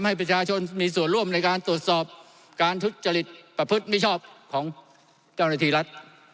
ให้ประชาชนมีส่วนร่วมในการตรวจสอบการทุจริตประพฤติมิชอบของเจ้าหน้าที่รัฐ